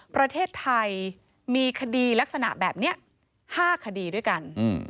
ประเทศไทยมีคดีลักษณะแบบนี้๕คดีด้วยกัน